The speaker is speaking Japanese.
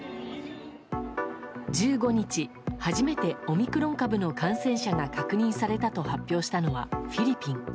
１５日、初めてオミクロン株の感染者が確認されたと発表したのはフィリピン。